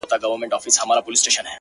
• نن که دي وګړي د منبر په ریا نه نیسي ,